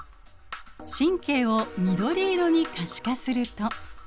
神経を緑色に可視化すると。